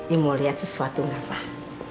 i mau liat sesuatu gak pak